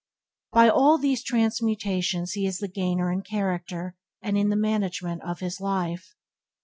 By all these transmutations he is the gainer in character and in the management of his life.